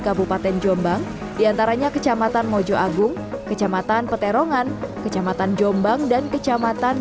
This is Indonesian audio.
kabupaten jombang diantaranya kecamatan mojo agung kecamatan peterongan kecamatan jombang dan kecamatan